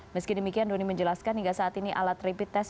meski demikian doni menjelaskan hingga saat ini alat rapid test